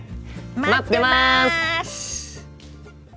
待ってます！